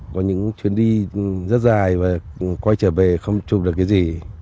có những chuyến đi rất dài và quay trở về không chụp được cái gì